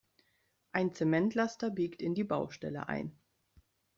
Ein Zementlaster biegt in die Baustelle ein.